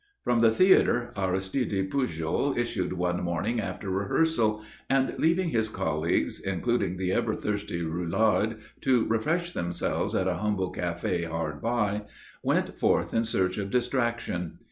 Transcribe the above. From the theatre Aristide Pujol issued one morning after rehearsal, and, leaving his colleagues, including the ever thirsty Roulard, to refresh themselves at a humble café hard by, went forth in search of distraction.